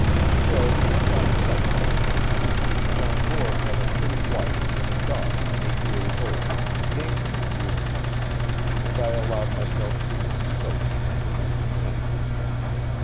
Still I found some amusement; Janvour had a pretty wife and a daughter eight years old, daintily beautiful, and I allowed myself to become soaked in domestic sentiment.